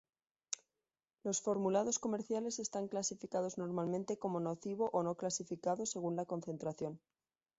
Los formulados comerciales están clasificados normalmente como "nocivo" o "no clasificado", según la concentración.